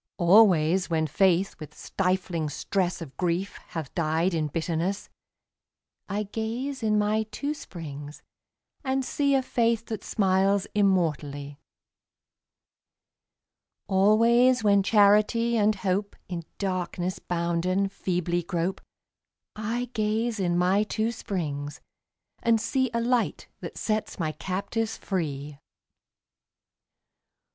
Always when Faith with stifling stress Of grief hath died in bitterness, I gaze in my two springs and see A Faith that smiles immortally. Always when Charity and Hope, In darkness bounden, feebly grope, I gaze in my two springs and see A Light that sets my captives free.